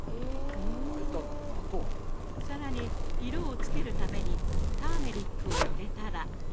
更に色をつけるためにターメリックを入れたら。